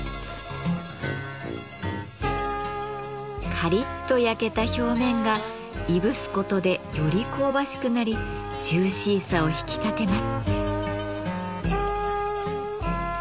カリッと焼けた表面がいぶすことでより香ばしくなりジューシーさを引き立てます。